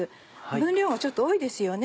分量もちょっと多いですよね